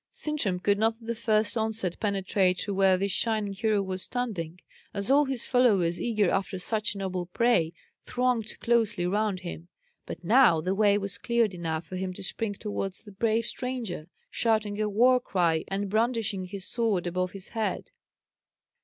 Sintram could not at the first onset penetrate to where this shining hero was standing, as all his followers, eager after such a noble prey, thronged closely round him; but now the way was cleared enough for him to spring towards the brave stranger, shouting a war cry, and brandishing his sword above his head.